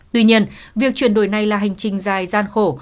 tuy nhiên việc chuyển đổi này là hành trình dài gian khổ